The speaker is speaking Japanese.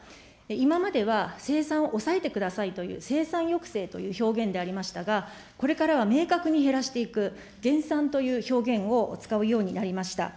今までは生産を抑えてくださいという、生産抑制という表現でありましたが、これからは明確に減らしていく、減産という表現を使うようになりました。